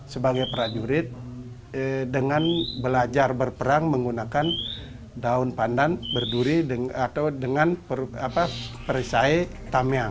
sebagai prajurit dengan belajar berperang menggunakan daun pandan berduri atau dengan perisai tamyang